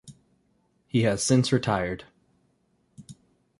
He has since retired.